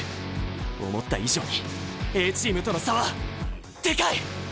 思った以上にＡチームとの差はでかい！